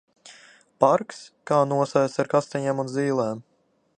Parks kā nosēts ar kastaņiem un zīlēm!